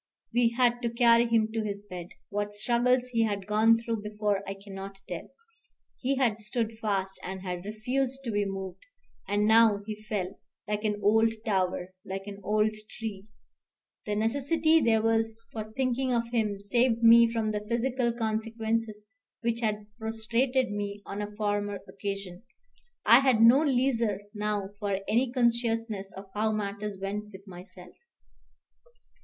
We had to carry him to his bed. What struggles he had gone through before I cannot tell. He had stood fast, and had refused to be moved, and now he fell, like an old tower, like an old tree. The necessity there was for thinking of him saved me from the physical consequences which had prostrated me on a former occasion. I had no leisure now for any consciousness of how matters went with myself.